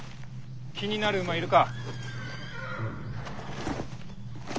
気になる馬いるか？